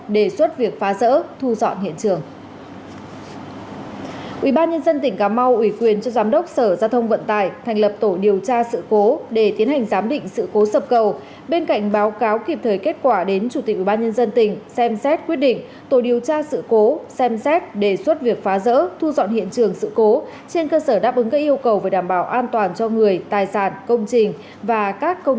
để điều trị kịp thời giảm tỷ lệ tử vong